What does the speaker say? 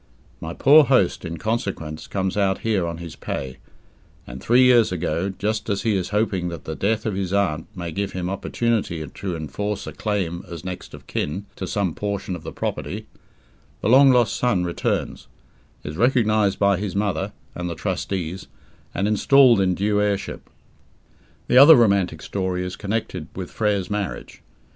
My poor host in consequence comes out here on his pay, and, three years ago, just as he is hoping that the death of his aunt may give him opportunity to enforce a claim as next of kin to some portion of the property, the long lost son returns, is recognized by his mother and the trustees, and installed in due heirship! The other romantic story is connected with Frere's marriage.